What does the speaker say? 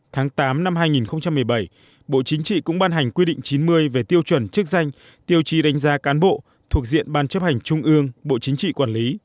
tháng tám năm hai nghìn một mươi bảy bộ chính trị cũng ban hành quy định chín mươi về tiêu chuẩn chức danh tiêu chí đánh giá cán bộ thuộc diện ban chấp hành trung ương bộ chính trị quản lý